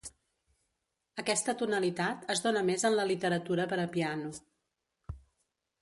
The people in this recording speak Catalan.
Aquesta tonalitat es dóna més en la literatura per a piano.